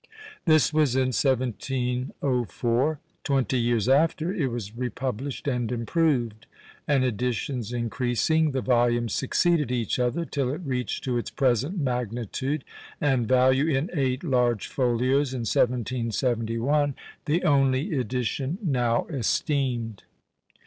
This was in 1704. Twenty years after, it was republished and improved; and editions increasing, the volumes succeeded each other, till it reached to its present magnitude and value in eight large folios, in 1771, the only edition now esteemed.